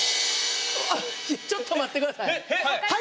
ちょっと待って下さい。